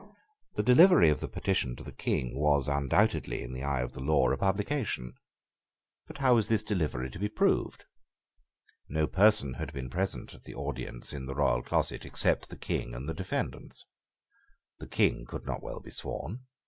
The delivery of the petition to the King was undoubtedly, in the eye of the law, a publication. But how was this delivery to be proved? No person had been present at the audience in the royal closet, except the King and the defendants. The King could not well be sworn.